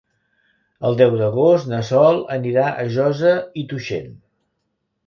El deu d'agost na Sol anirà a Josa i Tuixén.